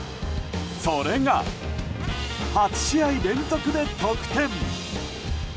それが８試合連続で得点。